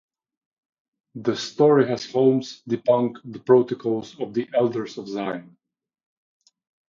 The story has Holmes debunk "The Protocols of the Elders of Zion".